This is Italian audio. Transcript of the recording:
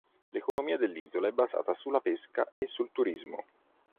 L'economia dell'isola è basata sulla pesca e sul turismo.